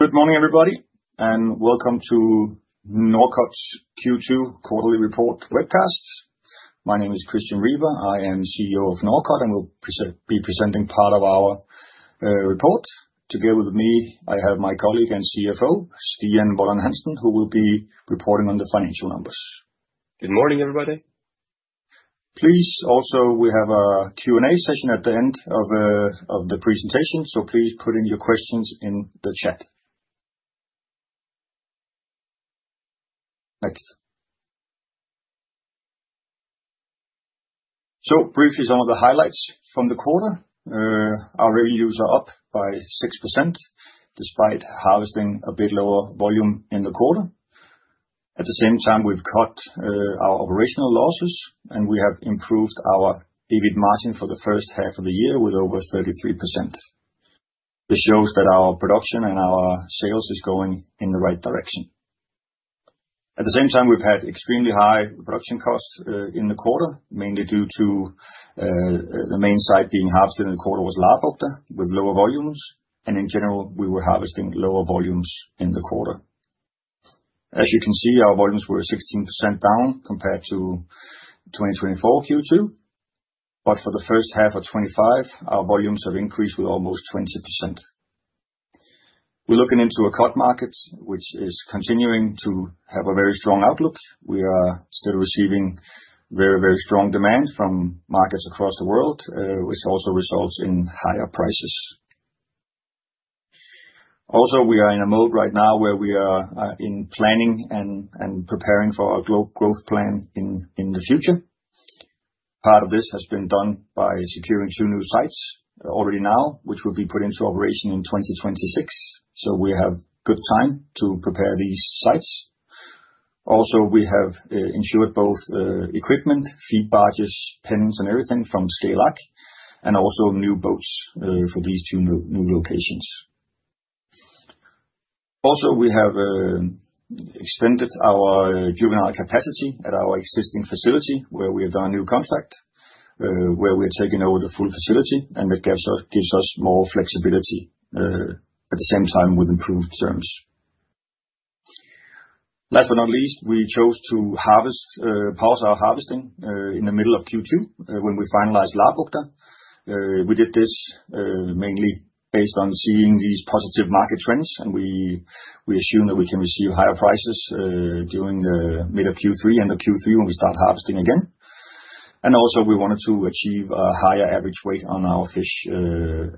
Good morning, everybody, welcome to Norcod's Q2 quarterly report webcast. My name is Christian Riber. I am CEO of Norcod, will be presenting part of our report. Together with me, I have my colleague and CFO, Stian Vollan-Hansen, who will be reporting on the financial numbers. Good morning, everybody. Please, also, we have a Q&A session at the end of the presentation. Please put in your questions in the chat. Next. Briefly, some of the highlights from the quarter. Our revenues are up by 6% despite harvesting a bit lower volume in the quarter. At the same time, we've cut our operational losses, and we have improved our EBIT margin for the first half of the year with over 33%. This shows that our production and our sales is going in the right direction. At the same time, we've had extremely high production costs in the quarter, mainly due to the main site being harvested in the quarter was Labukta with lower volumes. In general, we were harvesting lower volumes in the quarter. As you can see, our volumes were 16% down compared to 2024 Q2. For the first half of 2025, our volumes have increased with almost 20%. We're looking into a cod market, which is continuing to have a very strong outlook. We are still receiving very strong demand from markets across the world, which also results in higher prices. We are in a mode right now where we are in planning and preparing for our growth plan in the future. Part of this has been done by securing two new sites already now, which will be put into operation in 2026. We have good time to prepare these sites. We have ensured both equipment, feed barges, pens and everything from ScaleAQ, and also new boats for these two new locations. We have extended our juvenile capacity at our existing facility where we have done a new contract, where we are taking over the full facility and it gives us more flexibility at the same time with improved terms. Last but not least, we chose to harvest, pause our harvesting in the middle of Q2, when we finalized Labukta. We did this mainly based on seeing these positive market trends, and we assume that we can receive higher prices during the mid of Q3 and the Q3 when we start harvesting again. We wanted to achieve a higher average weight on our fish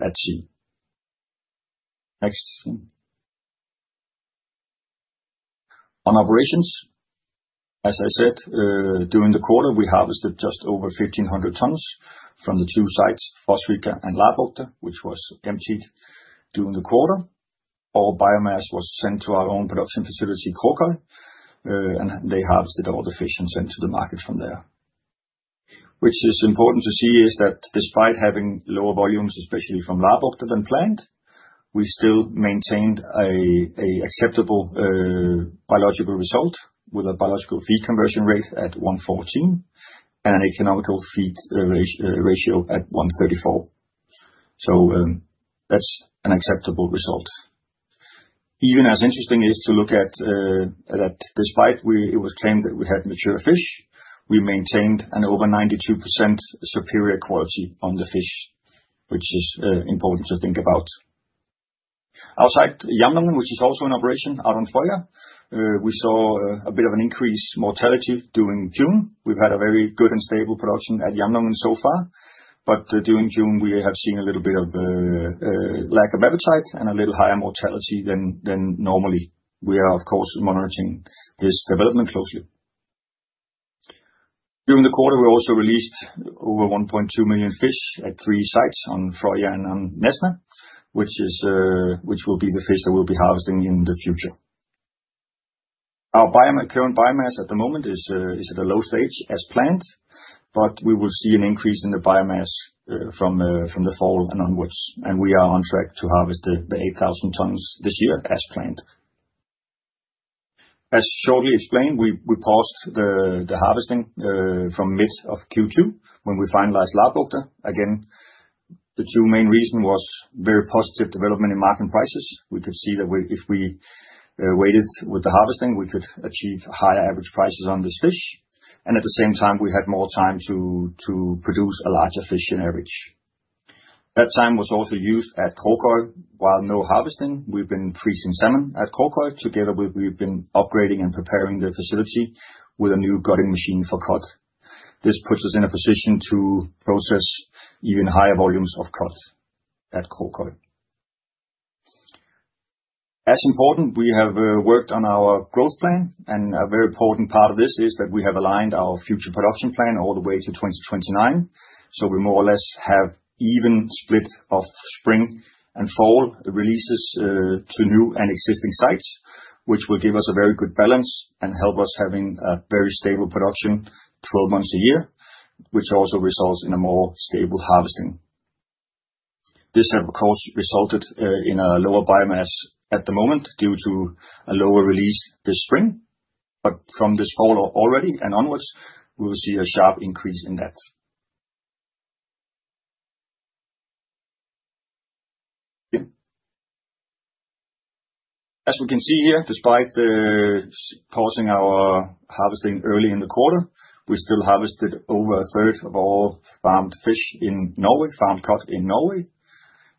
at sea. On operations, as I said, during the quarter, we harvested just over 1,500 tons from the two sites, Frosvika and Labukta, which was emptied during the quarter. All biomass was sent to our own production facility, Kråkøy, and they harvested all the fish and sent to the market from there. Which is important to see is that despite having lower volumes, especially from Labukta than planned, we still maintained a acceptable biological result with a biological feed conversion rate at 1.14 and an economic feed ratio at 1.34. That's an acceptable result. Even as interesting is to look at that despite it was claimed that we had mature fish, we maintained an over 92% superior quality on the fish, which is important to think about. Outside Jamnungen, which is also in operation out on Frøya, we saw a bit of an increased mortality during June. We've had a very good and stable production at Jamnungen so far. During June we have seen a little bit of lack of appetite and a little higher mortality than normally. We are of course monitoring this development closely. During the quarter, we also released over 1.2 million fish at three sites on Frøya and on Nesna, which will be the fish that we'll be harvesting in the future. Our biomass, current biomass at the moment is at a low stage as planned, but we will see an increase in the biomass from the fall and onwards, and we are on track to harvest the 8,000 tons this year as planned. As shortly explained, we paused the harvesting from mid of Q2 when we finalized Labukta. The two main reason was very positive development in market prices. We could see that if we waited with the harvesting, we could achieve higher average prices on this fish. At the same time, we had more time to produce a larger fish in average. That time was also used at Kråkøy. While no harvesting, we've been freezing salmon at Kråkøy. Together with we've been upgrading and preparing the facility with a new gutting machine for cod. This puts us in a position to process even higher volumes of cod at Kråkøy. As important, we have worked on our growth plan, and a very important part of this is that we have aligned our future production plan all the way to 2029. We more or less have even split of spring and fall releases to new and existing sites, which will give us a very good balance and help us having a very stable production 12 months a year, which also results in a more stable harvesting. This has of course resulted in a lower biomass at the moment due to a lower release this spring. From this fall already and onwards, we will see a sharp increase in that. As we can see here, despite the pausing our harvesting early in the quarter, we still harvested over a third of all farmed fish in Norway, farmed cod in Norway.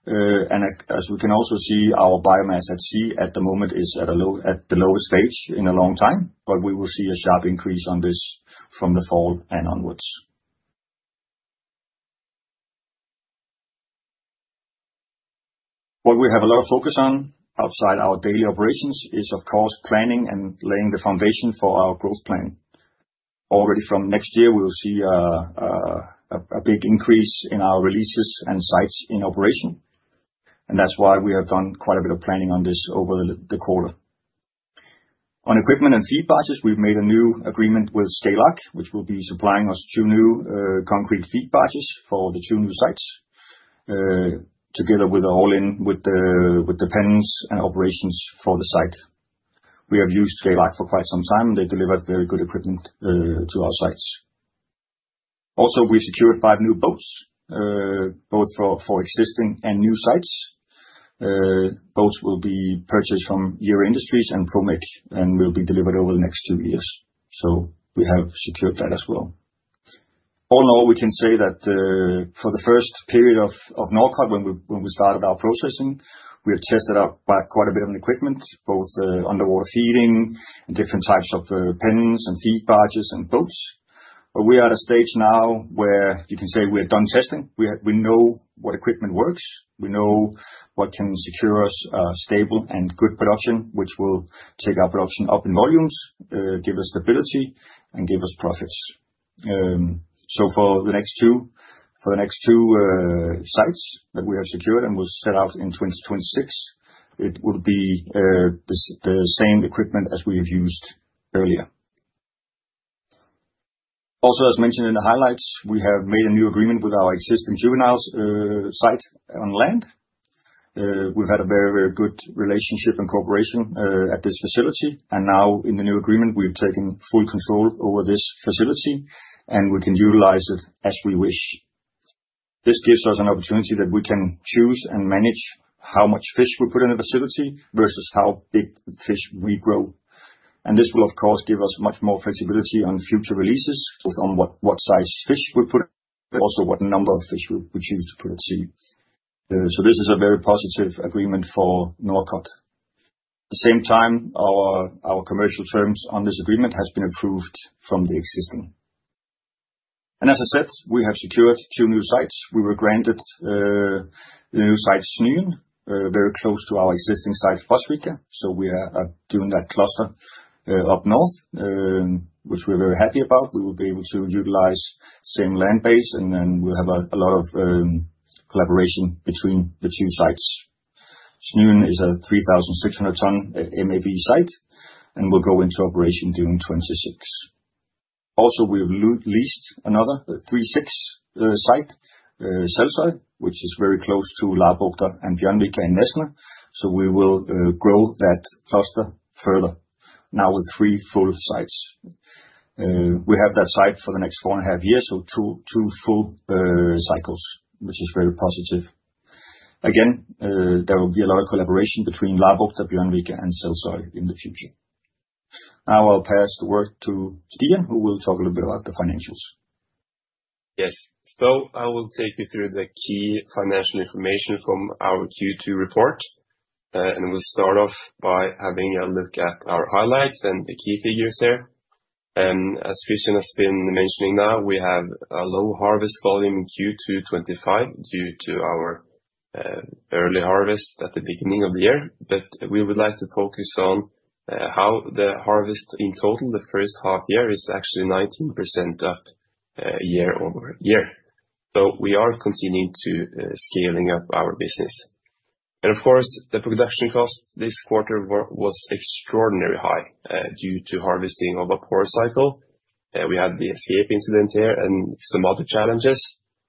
As we can also see, our biomass at sea at the moment is at the lowest stage in a long time. We will see a sharp increase on this from the fall and onwards. What we have a lot of focus on outside our daily operations is of course, planning and laying the foundation for our growth plan. Already from next year, we will see a big increase in our releases and sites in operation. That's why we have done quite a bit of planning on this over the quarter. On equipment and feed barges, we've made a new agreement with ScaleAQ, which will be supplying us two new concrete feed barges for the two new sites together with the pens and operations for the site. We have used Salak for quite some time. They deliver very good equipment to our sites. We secured five new boats, both for existing and new sites. Boats will be purchased from Euro Industries and Promek, and will be delivered over the next two years. We have secured that as well. All in all, we can say that, for the first period of Havlandet when we, when we started our processing, we have tested out by quite a bit of equipment, both underwater feeding and different types of pens and feed barges and boats. We are at a stage now where you can say we are done testing. We know what equipment works, we know what can secure us stable and good production, which will take our production up in volumes, give us stability and give us profits. For the next two sites that we have secured and will set out in 2026, it would be the same equipment as we have used earlier. As mentioned in the highlights, we have made a new agreement with our existing juveniles site on land. We've had a very, very good relationship and cooperation at this facility, and now in the new agreement, we've taken full control over this facility, and we can utilize it as we wish. This gives us an opportunity that we can choose and manage how much fish we put in a facility versus how big fish we grow. This will of course give us much more flexibility on future releases, both on what size fish we put, but also what number of fish we choose to put at sea. This is a very positive agreement for Havlandet. At the same time, our commercial terms on this agreement has been approved from the existing. As I said, we have secured two new sites. We were granted the new site Snön, very close to our existing site, Frosvika. We are doing that cluster up north, which we're very happy about. We will be able to utilize same land base, and then we'll have a lot of collaboration between the two sites. Snön is a 3,600 ton MIV site and will go into operation during 2026. We have leased another three six site, Selsøy, which is very close to Labukta and Bjørnvika in Nesna. We will grow that cluster further now with three full sites. We have that site for the next 4.5 years, so two full cycles, which is very positive. Again, there will be a lot of collaboration between Labukta, Bjørnvika and Selsøy in the future. I'll pass the work to Stian, who will talk a little bit about the financials. Yes. I will take you through the key financial information from our Q2 report. We'll start off by having a look at our highlights and the key figures there. As Christian has been mentioning now, we have a low harvest volume in Q2 2025 due to our early harvest at the beginning of the year. We would like to focus on how the harvest in total, the first half year is actually 19% up year-over-year. We are continuing to scaling up our business. Of course, the production cost this quarter was extraordinary high due to harvesting of a poor cycle. We had the escape incident here and some other challenges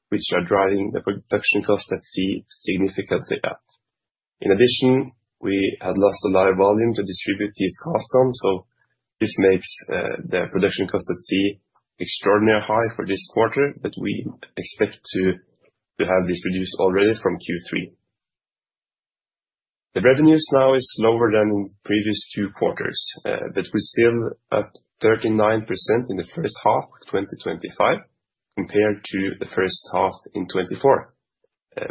which are driving the production cost at sea significantly up. We had lost a lot of volume to distribute these costs on, so this makes the production cost at sea extraordinary high for this quarter. We expect to have this reduced already from Q3. The revenues now is lower than previous two quarters, but we're still up 39% in the first half 2025 compared to the first half in 2024.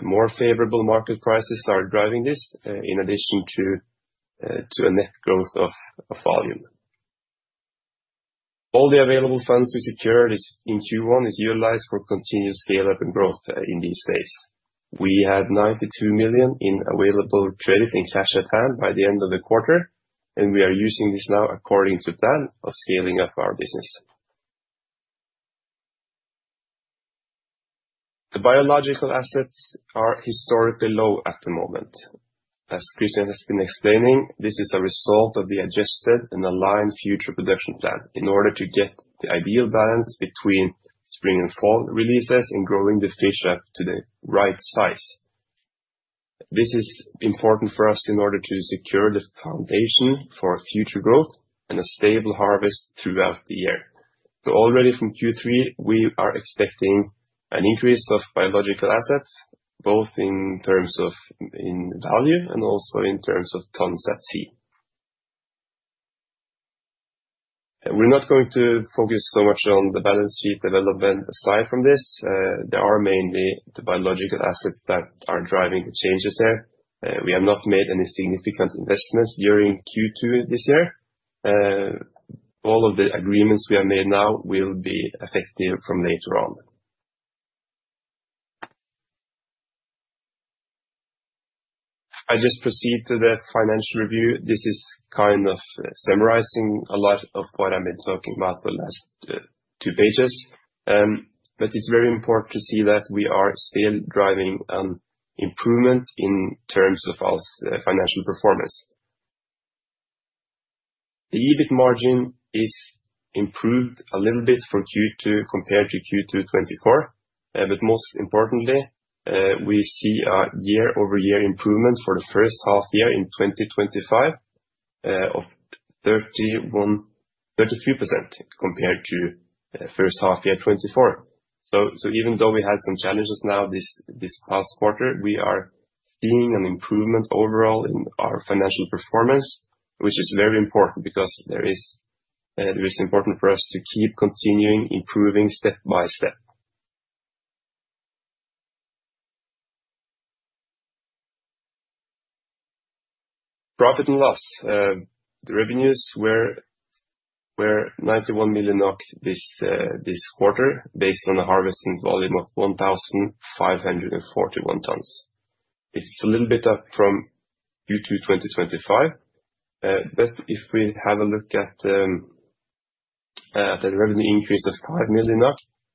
More favorable market prices are driving this, in addition to a net growth of volume. All the available funds we secured in Q1 is utilized for continued scale-up and growth in these sites. We had 92 million in available credit and cash at hand by the end of the quarter, and we are using this now according to plan of scaling up our business. The biological assets are historically low at the moment. As Christian has been explaining, this is a result of the adjusted and aligned future production plan in order to get the ideal balance between spring and fall releases in growing the fish up to the right size. This is important for us in order to secure the foundation for future growth and a stable harvest throughout the year. Already from Q3, we are expecting an increase of biological assets, both in terms of, in value and also in terms of tons at sea. We're not going to focus so much on the balance sheet development aside from this. There are mainly the biological assets that are driving the changes there. We have not made any significant investments during Q2 this year. All of the agreements we have made now will be effective from later on. I just proceed to the financial review. This is kind of summarizing a lot of what I've been talking about the last 2 pages. It's very important to see that we are still driving improvement in terms of our financial performance. The EBIT margin is improved a little bit for Q2 compared to Q2 2024. Most importantly, we see a year-over-year improvement for the first half year in 2025 of 31%-33% compared to first half year 2024. Even though we had some challenges now this past quarter, we are seeing an improvement overall in our financial performance. Which is very important because there is, it is important for us to keep continuing improving step by step. Profit and loss. The revenues were 91 million NOK this quarter based on a harvesting volume of 1,541 tons. It's a little bit up from Q2 2025. If we have a look at the revenue increase of 5 million,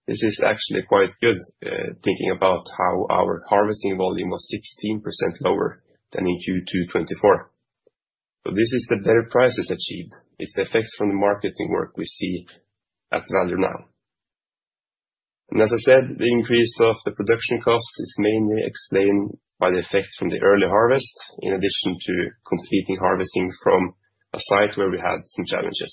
this is actually quite good, thinking about how our harvesting volume was 16% lower than in Q2 2024. This is the better prices achieved. It's the effects from the marketing work we see at value now. As I said, the increase of the production cost is mainly explained by the effect from the early harvest, in addition to completing harvesting from a site where we had some challenges.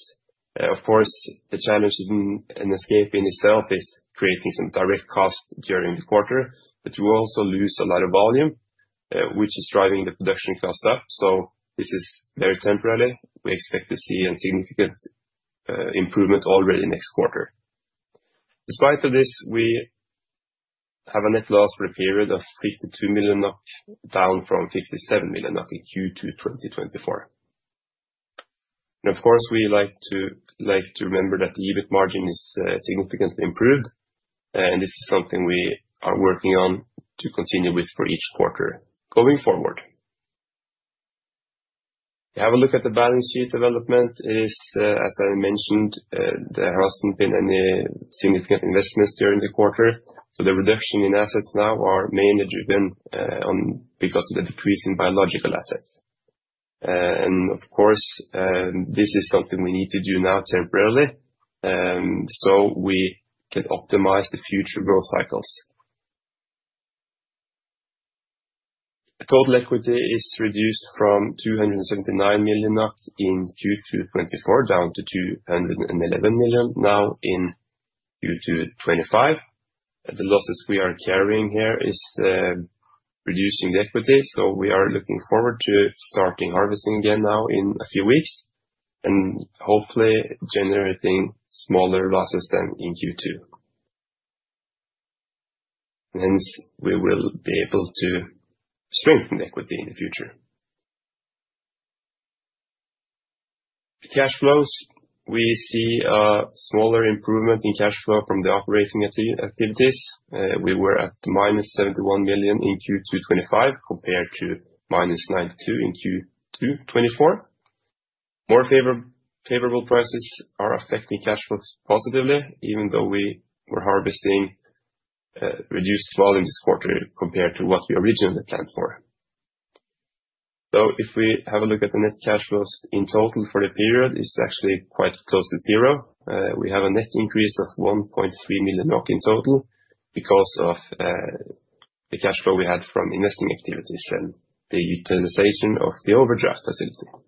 Of course, the challenges in escaping itself is creating some direct costs during the quarter, but we also lose a lot of volume, which is driving the production cost up. This is very temporarily. We expect to see a significant improvement already next quarter. Despite of this, we have a net loss for a period of 52 million NOK, down from 57 million NOK in Q2 2024. Of course, we like to remember that the EBIT margin is significantly improved, and this is something we are working on to continue with for each quarter going forward. Have a look at the balance sheet development. It is, as I mentioned, there hasn't been any significant investments during the quarter. The reduction in assets now are mainly driven because of the decrease in biological assets. Of course, this is something we need to do now temporarily, so we can optimize the future growth cycles. Total equity is reduced from 279 million in Q2 2024, down to 211 million now in Q2 2025. The losses we are carrying here is reducing the equity, so we are looking forward to starting harvesting again now in a few weeks and hopefully generating smaller losses than in Q2. We will be able to strengthen equity in the future. Cash flows. We see a smaller improvement in cash flow from the operating activities. We were at minus 71 million in Q2 2025 compared to minus 92 million in Q2 2024. More favorable prices are affecting cash flows positively, even though we were harvesting reduced volumes this quarter compared to what we originally planned for. If we have a look at the net cash flows in total for the period, it's actually quite close to zero. We have a net increase of 1.3 million NOK in total because of the cash flow we had from investing activities and the utilization of the overdraft facility.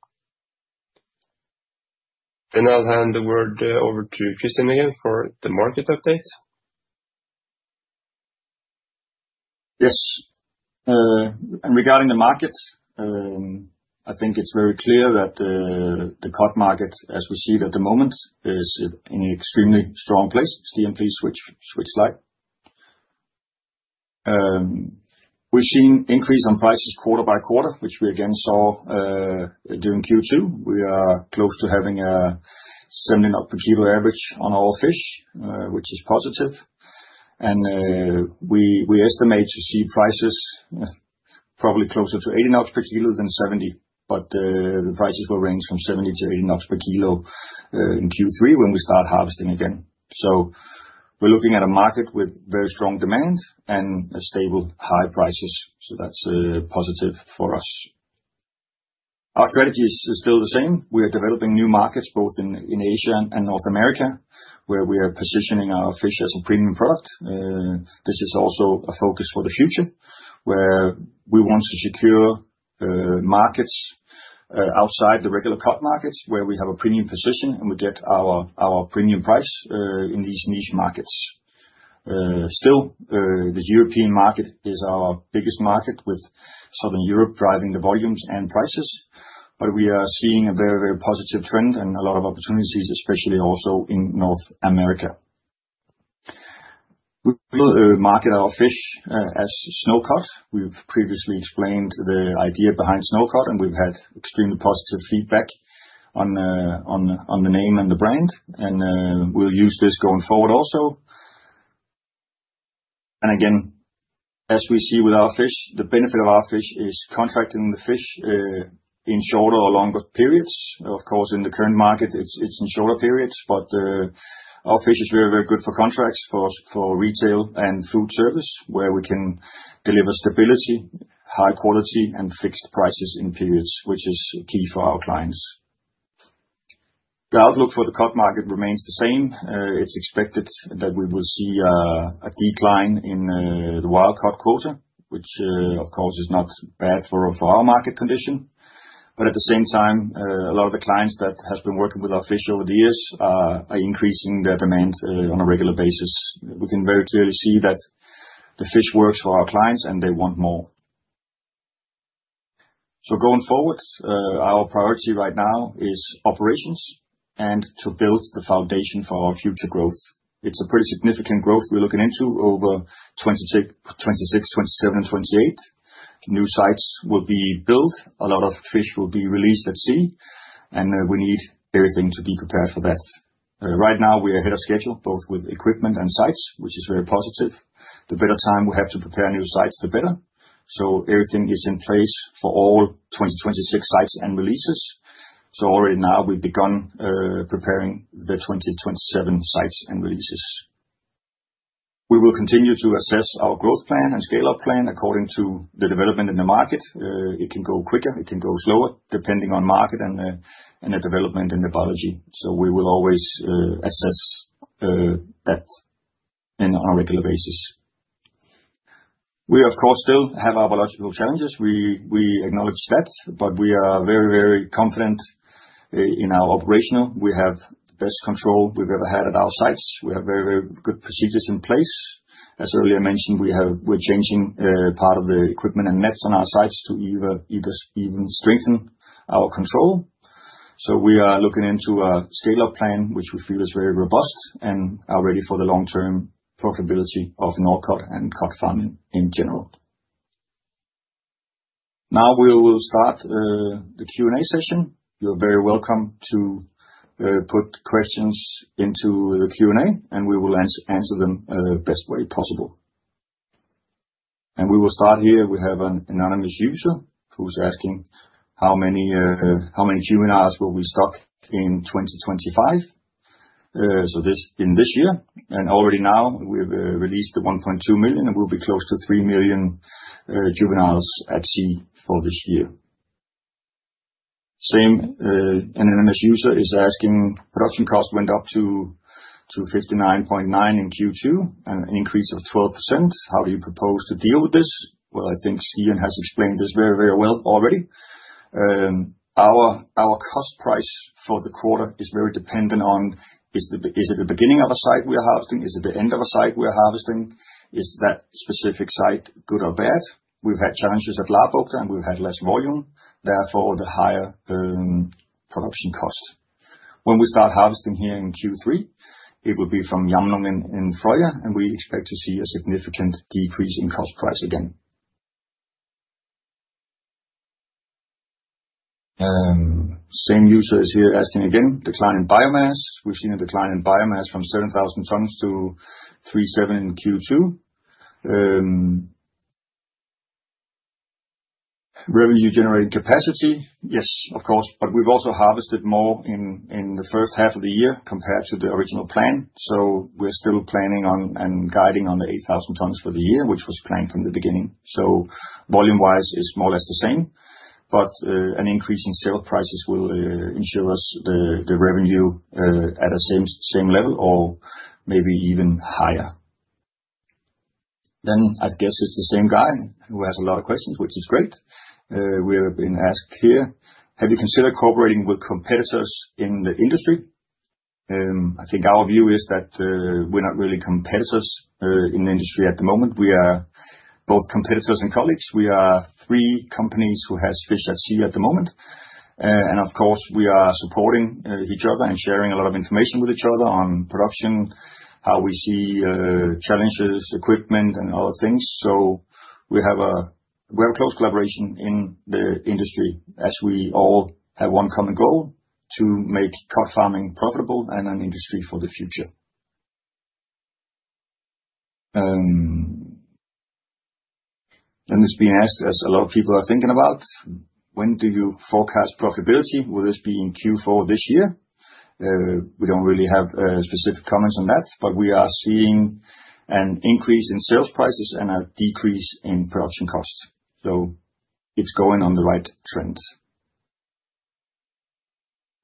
I'll hand the word over to Christian again for the market update. Yes. And regarding the market, I think it's very clear that the cod market, as we see it at the moment, is in extremely strong place. You need to please switch slide. We're seeing increase on prices quarter by quarter, which we again saw during Q2. We are close to having a 70 per kilo average on all fish, which is positive. We estimate to see prices probably closer to 80 NOK per kilo than 70, but the prices will range from 70-80 NOK per kilo in Q3 when we start harvesting again. We're looking at a market with very strong demand and stable high prices. That's positive for us. Our strategy is still the same. We are developing new markets both in Asia and North America, where we are positioning our fish as a premium product. This is also a focus for the future, where we want to secure markets outside the regular cod markets, where we have a premium position and we get our premium price in these niche markets. Still, the European market is our biggest market, with Southern Europe driving the volumes and prices. We are seeing a very positive trend and a lot of opportunities, especially also in North America. We market our fish as SnowCod. We've previously explained the idea behind SnowCod, and we've had extremely positive feedback on the name and the brand, and we'll use this going forward also. Again, as we see with our fish, the benefit of our fish is contracting the fish in shorter or longer periods. Of course, in the current market, it's in shorter periods, but our fish is very good for contracts for retail and food service, where we can deliver stability, high quality, and fixed prices in periods which is key for our clients. The outlook for the cod market remains the same. It's expected that we will see a decline in the wild cod quota, which, of course, is not bad for our market condition. At the same time, a lot of the clients that has been working with our fish over the years are increasing their demand on a regular basis. We can very clearly see that the fish works for our clients, and they want more. Going forward, our priority right now is operations and to build the foundation for our future growth. It's a pretty significant growth we're looking into over 2026, 2027, and 2028. New sites will be built, a lot of fish will be released at sea, and we need everything to be prepared for that. Right now we are ahead of schedule, both with equipment and sites, which is very positive. The better time we have to prepare new sites, the better. Everything is in place for all 2026 sites and releases. Already now we've begun preparing the 2027 sites and releases. We will continue to assess our growth plan and scale-up plan according to the development in the market. It can go quicker, it can go slower, depending on market and the development in the biology. We will always assess that in our regular basis. We of course, still have our biological challenges. We acknowledge that, but we are very, very confident in our operational. We have the best control we've ever had at our sites. We have very, very good procedures in place. As earlier mentioned, we're changing part of the equipment and nets on our sites to even strengthen our control. We are looking into a scale-up plan, which we feel is very robust and are ready for the long-term profitability of Norcod and cod farming in general. We will start the Q&A session. You're very welcome to put questions into the Q&A, we will answer them best way possible. We will start here. We have an anonymous user who's asking, "How many juveniles will we stock in 2025?" So in this year. Already now we've released the 1.2 million, we'll be close to 3 million juveniles at sea for this year. Same anonymous user is asking, "Production cost went up to 59.9 in Q2, an increase of 12%." How do you propose to deal with this? Well, I think Ian has explained this very well already. Our cost price for the quarter is very dependent on, is it the beginning of a site we are harvesting? Is it the end of a site we are harvesting? Is that specific site good or bad? We've had challenges at Labukta, and we've had less volume, therefore, the higher production cost. When we start harvesting here in Q3, it will be from Jamnungen in Frøya, and we expect to see a significant decrease in cost price again. Same user is here asking again, "Decline in biomass. We've seen a decline in biomass from 7,000 tons to 3,700 in Q2. Revenue-generating capacity?" Yes, of course, we've also harvested more in the first half of the year compared to the original plan. We're still planning on and guiding on the 8,000 tons for the year, which was planned from the beginning. Volume-wise, it's more or less the same, but an increase in sale prices will ensure us the revenue at the same level or maybe even higher. I guess it's the same guy who has a lot of questions, which is great. We have been asked here, "Have you considered cooperating with competitors in the industry?" I think our view is that we're not really competitors in the industry at the moment. We are both competitors and colleagues. We are three companies who has fish at sea at the moment. Of course, we are supporting each other and sharing a lot of information with each other on production, how we see challenges, equipment, and other things. We have a very close collaboration in the industry as we all have one common goal, to make cod farming profitable and an industry for the future. It's being asked, as a lot of people are thinking about, "When do you forecast profitability? Will this be in Q4 this year?" We don't really have specific comments on that, but we are seeing an increase in sales prices and a decrease in production costs. It's going on the right trend.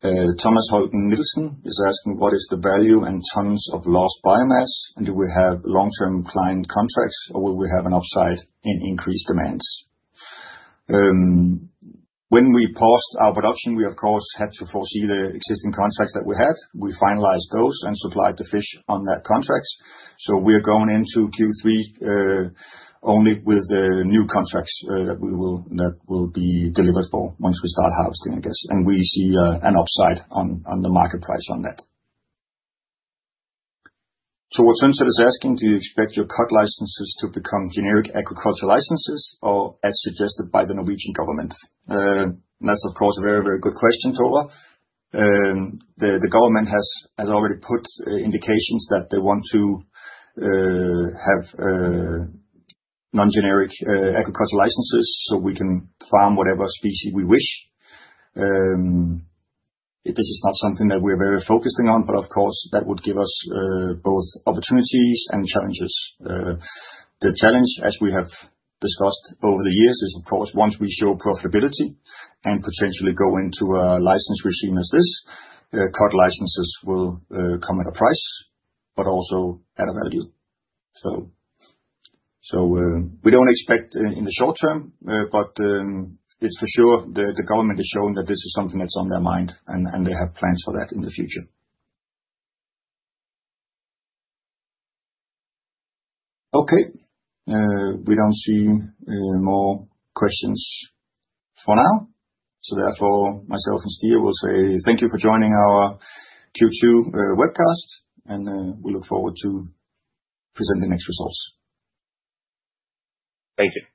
Thomas Holden Nielsen is asking, what is the value in terms of lost biomass? Do we have long-term client contracts or will we have an upside in increased demands? When we paused our production, we of course, had to foresee the existing contracts that we had. We finalized those and supplied the fish on that contract. We are going into Q3, only with the new contracts, that will be delivered for once we start harvesting, I guess. We see an upside on the market price on that. Tore Tønseth is asking, do you expect your cod licenses to become generic agricultural licenses or as suggested by the Norwegian government? That's of course a very, very good question, Tore. The government has already put indications that they want to have non-generic agriculture licenses, so we can farm whatever species we wish. This is not something that we're very focusing on, but of course, that would give us both opportunities and challenges. The challenge, as we have discussed over the years, is of course, once we show profitability and potentially go into a license regime as this, cod licenses will come at a price, but also at a value. So, we don't expect in the short term, but it's for sure the government has shown that this is something that's on their mind and they have plans for that in the future. Okay. We don't see any more questions for now. Therefore, myself and Stian will say thank you for joining our Q2 webcast, and we look forward to presenting next results. Thank you. Thank you.